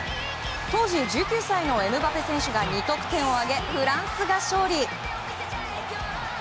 当時１９歳のエムバペ選手が２得点を挙げ、フランスが勝利。